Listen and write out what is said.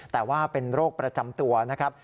แต่ว่าเป็นโรคประจำตัวนะครับ